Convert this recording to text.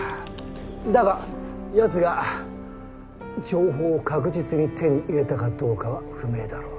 だが奴が情報を確実に手に入れたかどうかは不明だろ。